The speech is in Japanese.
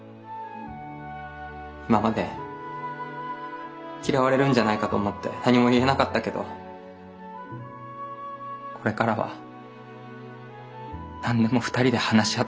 今まで嫌われるんじゃないかと思って何も言えなかったけどこれからは何でも二人で話し合って決めたい。